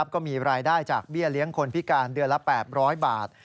ก็มีรายได้จากเบี้ยเลี้ยงคนพิการเดือนละ๘๐๐บาท